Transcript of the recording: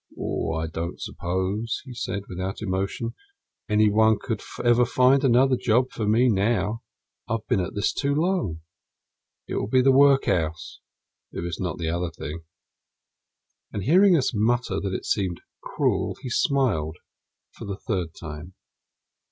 "I don't suppose," he said without emotion, "any one could ever find another job for me now. I've been at this too long. It'll be the workhouse, if it's not the other thing." And hearing us mutter that it seemed cruel, he smiled for the third time.